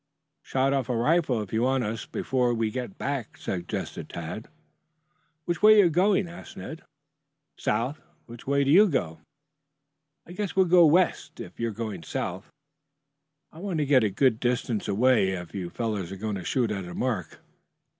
"Shoot off a rifle if you want us before we get back," suggested Tad. "Which way are you going?" asked Ned. "South. Which way do you go?" "I guess we will go west if you are going south. I want to get a good distance away if you fellows are going to shoot at a mark."